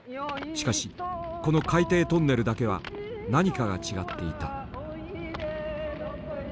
しかしこの海底トンネルだけは何かが違っていた。